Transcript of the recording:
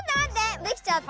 できちゃった。